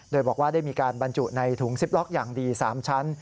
โดยบอกว่าได้มีการบรรจุในถุงซิปล็อกอย่างดี๓ชั้น